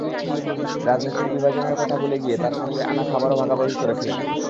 রাজনীতির বিভাজনের কথা ভুলে গিয়ে তাঁরা সঙ্গে আনা খাবারও ভাগাভাগি করে খেলেন।